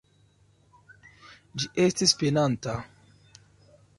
Ĝi estis penanta.